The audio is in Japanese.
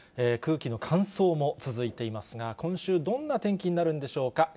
空気の乾燥も続いていますが、今週、どんな天気になるんでしょうか。